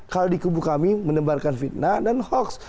kalau di kubu kami menebarkan fitnah dan hoax